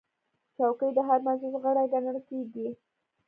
چوکۍ د هر مجلس غړی ګڼل کېږي.